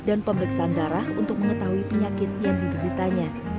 dan pemeriksaan darah untuk mengetahui penyakit yang dideritanya